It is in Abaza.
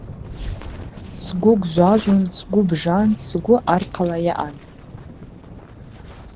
Сгвы гвжважвун, сгвы бжан, сгвы архъала йаъан.